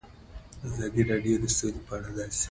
ازادي راډیو د سوله په اړه د سیاستوالو دریځ بیان کړی.